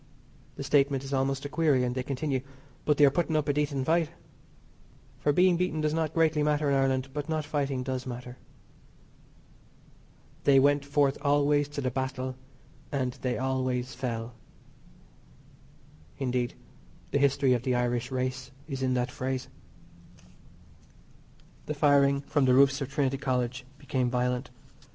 The statement is almost a query, and they continue, "but they are putting up a decent fight." For being beaten does not greatly matter in Ireland, but not fighting does matter. "They went forth always to the battle; and they always fell," Indeed, the history of the Irish race is in that phrase. The firing from the roofs of Trinity College became violent.